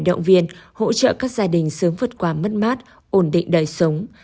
động viên hỗ trợ các gia đình sớm vượt qua mất mát ổn định đời sống